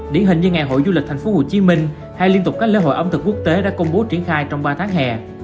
điển hình như ngày hội du lịch thành phố hồ chí minh hay liên tục các lễ hội ẩm thực quốc tế đã công bố triển khai trong ba tháng hè